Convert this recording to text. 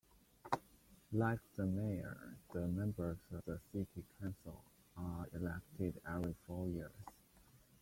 Like the mayor, the members of the city council are elected every four years.